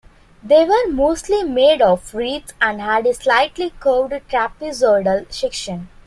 They were mostly made of reeds and had a slightly curved trapezoidal section.